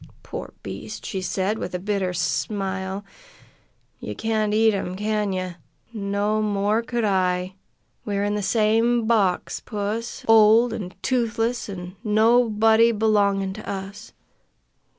"Poor beast!" she said, with a bitter smile. "Ye can't eat 'em, can ye? No more could I! We're in the same box, puss! Old, an' toothless, an' nobody belongin' to us.